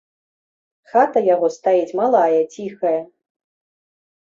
Хата яго стаіць малая, ціхая.